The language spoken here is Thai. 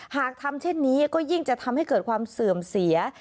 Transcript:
หากทำเช่นนี้ก็ยิ่งจะทำให้เกิดความเสื่อมเสีย